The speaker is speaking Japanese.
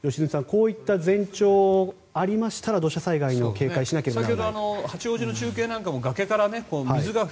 こういった前兆がありましたら土砂災害に警戒しなければならない。